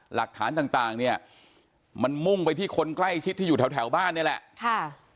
หลักฐานต่างเนี่ยมันมุ่งไปที่คนใกล้ชิดที่อยู่แถวบ้านนี่แหละค่ะ